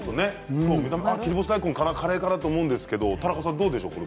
切り干し大根かなカレーかなと思うんですけど田中さん、どうですか？